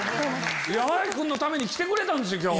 山君のために来てくれたんですよ今日。